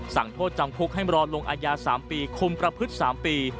สั่งโทษจำคุกให้รอลงอายา๓ปีคุมประพฤติ๓ปี